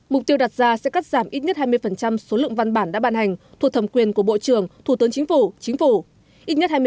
mục tiêu đặt ra sẽ cắt giảm ít nhất hai mươi số lượng văn bản đã ban hành thuộc thầm quyền của bộ trưởng thủ tướng chính phủ chính phủ